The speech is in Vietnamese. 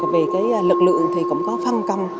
về cái lực lượng thì cũng có phân căm